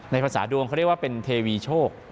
ภาษาดวงเขาเรียกว่าเป็นเทวีโชค